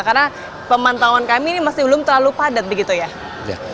karena pemantauan kami ini masih belum terlalu padat begitu ya